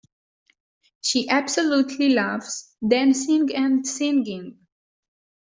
She absolutely loves dancing and singing.